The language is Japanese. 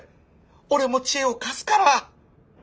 おれも知恵を貸すから！